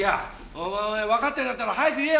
お前わかってんだったら早く言えよ！